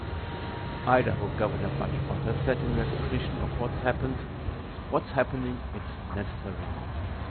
Idaho governor Butch Otter said In recognition of what's happened, what's happening, it's necessary.